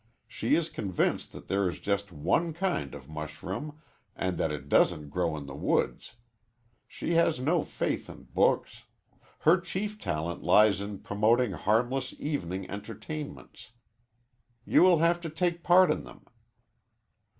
She is convinced that there is just one kind of mushroom, and that it doesn't grow in the woods. She has no faith in books. Her chief talent lies in promoting harmless evening entertainments. You will have to take part in them."